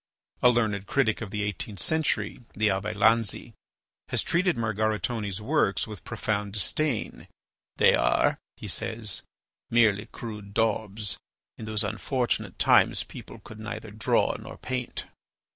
A learned critic of the eighteenth century, the Abbé Lanzi, has treated Margaritone's works with profound disdain. "They are," he says, "merely crude daubs. In those unfortunate times people could neither draw nor paint."